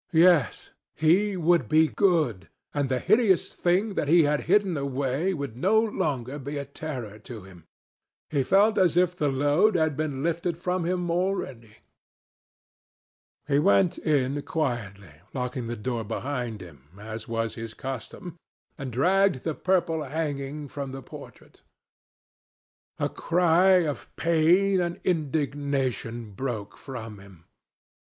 Yes, he would be good, and the hideous thing that he had hidden away would no longer be a terror to him. He felt as if the load had been lifted from him already. He went in quietly, locking the door behind him, as was his custom, and dragged the purple hanging from the portrait. A cry of pain and indignation broke from him.